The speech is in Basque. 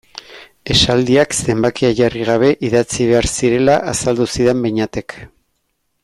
Esaldiak zenbakia jarri gabe idatzi behar zirela azaldu zidan Beñatek.